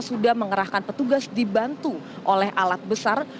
sudah mengerahkan petugas dibantu oleh alat besar